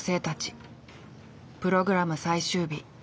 プログラム最終日。